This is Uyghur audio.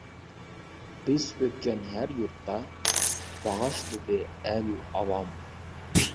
بېسىپ ئۆتكەن ھەر يۇرتتا، باغاشلىدى ئەل ئاۋام.